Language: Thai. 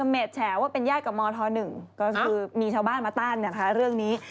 อุทยานแม็กซ์แฉว่าเป็นญาติกับมธหนึ่งก็คือมีชาวบ้านมาต้านเรื่องนี้